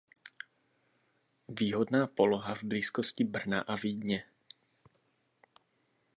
Výhodná poloha v blízkosti Brna a Vídně.